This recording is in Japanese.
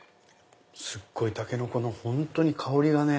すっごいタケノコの本当に香りがね。